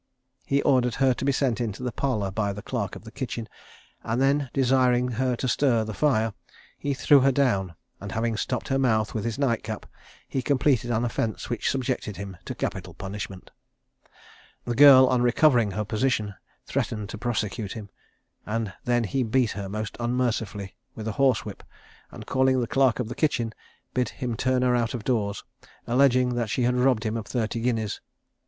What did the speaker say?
He ordered her to be sent into the parlour by the clerk of the kitchen, and then desiring her to stir the fire, he threw her down, and having stopped her mouth with his nightcap, he completed an offence which subjected him to capital punishment. The girl, on recovering her position, threatened to prosecute him, and then he beat her most unmercifully with a horsewhip, and calling the clerk of the kitchen, bid him turn her out of doors, alleging that she had robbed him of thirty guineas.